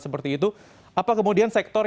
seperti itu apa kemudian sektor